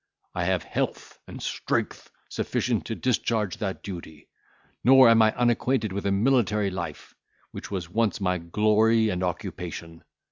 I have health and strength sufficient to discharge that duty. Nor am I unacquainted with a military life, which was once my glory and occupation.